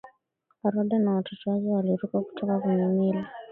rhoda na watoto wake waliruka kutoka kwenye meli